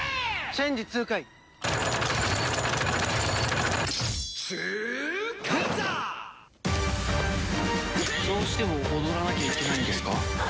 「ＨＥＹ！」どうしても踊らなきゃいけないんですか？